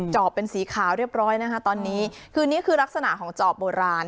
จอบเป็นสีขาวเรียบร้อยนะคะตอนนี้คือนี่คือลักษณะของจอบโบราณ